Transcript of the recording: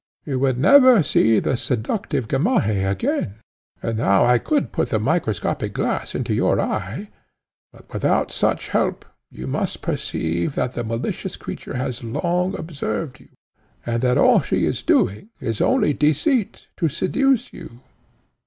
You would never see the seductive Gamaheh again, and now I could put the microscopic glass into your eye, but without such help you must perceive that the malicious creature has long observed you, and that all she is doing is only deceit, to seduce you.